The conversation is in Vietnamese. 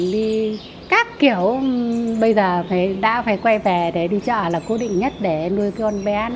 đi các kiểu bây giờ đã phải quay về để đi chợ là cố định nhất để nuôi con bé